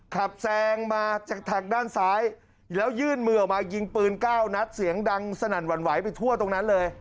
แซงมาจากทางด้านซ้ายแล้วยื่นมือออกมายิงปืน๙นัดเสียงดังสนั่นหวั่นไหวไปทั่วตรงนั้นเลย